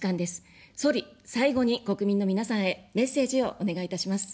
総理、最後に国民の皆さんへメッセージをお願いいたします。